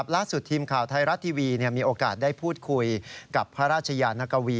ล่าสุดทีมข่าวไทยรัฐทีวีมีโอกาสได้พูดคุยกับพระราชยานกวี